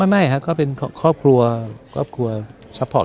ไม่ครับก็เป็นครอบครัวครอบครัวซัพพอร์ต